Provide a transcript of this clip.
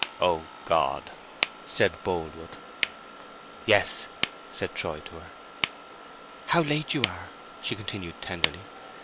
"O God!" said Boldwood. "Yes," said Troy to her. "How late you are," she continued, tenderly.